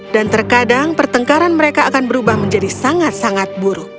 dan terkadang pertengkaran mereka akan berubah menjadi sangat sangat buruk